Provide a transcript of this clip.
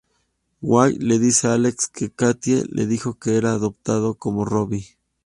Wyatt le dice a Alex que Katie le dijo que era adoptado, como Robbie.